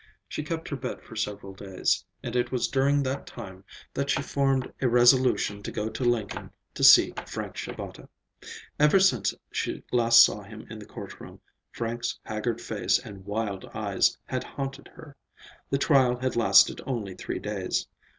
She kept her bed for several days, and it was during that time that she formed a resolution to go to Lincoln to see Frank Shabata. Ever since she last saw him in the courtroom, Frank's haggard face and wild eyes had haunted her. The trial had lasted only three days.